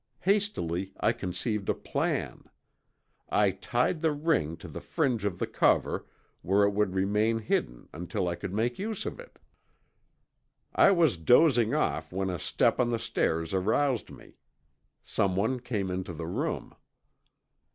Hastily I conceived a plan. I tied the ring to the fringe of the cover, where it would remain hidden until I could make use of it. "I was dozing off when a step on the stairs aroused me. Someone came into the room.